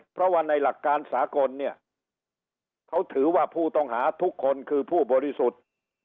เพราะว่าในหลักการสากลเนี่ยเขาถือว่าผู้ต้องหาทุกคนคือผู้บริสุทธิ์